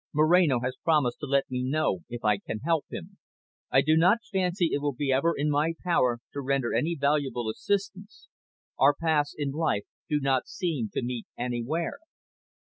Moreno has promised to let me know if I can help him. I do not fancy it will ever be in my power to render any valuable assistance; our paths in life do not seem to meet anywhere.